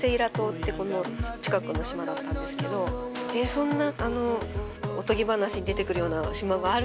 そんな。